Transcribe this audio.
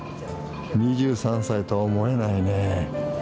２３歳とは思えないね！